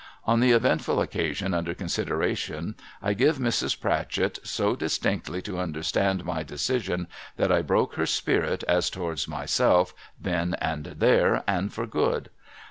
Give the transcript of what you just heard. On the eventful occasion under consideration, I give Mrs. Pratchett so distinctly to understand my decision, that I broke her spirit as towards myself, then and there, and for good.